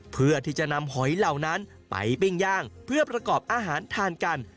เพื่อที่จะนำหอยเหล่านั้นไปปิ้งย่างเพื่อประกอบอาหารทานกัน